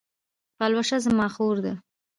پلوشه زما خور ده